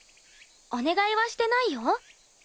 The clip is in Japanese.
お願いはしてないよ。